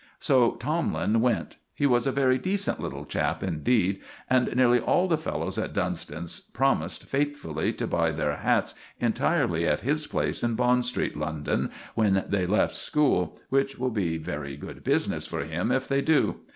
So Tomlin went. He was a very decent little chap indeed, and nearly all the fellows at Dunston's promised faithfully to buy their hats entirely at his place in Bond Street, London, when they left school; which will be very good business for him if they do.